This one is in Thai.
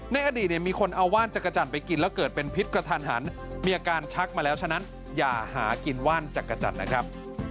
ในอดีตเนี่ยมีคนเอาว่านจักรจันทร์ไปกินแล้วเกิดเป็นพิษกระทันหันมีอาการชักมาแล้วฉะนั้นอย่าหากินว่านจักรจันทร์นะครับ